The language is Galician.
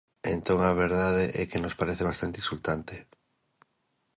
Entón, a verdade é que nos parece bastante insultante.